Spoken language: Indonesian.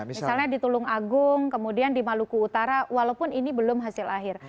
misalnya di tulung agung kemudian di maluku utara walaupun ini belum hasil akhir